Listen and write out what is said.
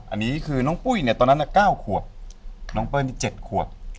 อันนี้คือน้องปุ้ยเนี่ยตอนนั้น๙ขวบน้องเปิ้ล๗ขวบ